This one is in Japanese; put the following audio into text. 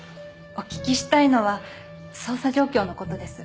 お聞きしたいのは捜査状況の事です。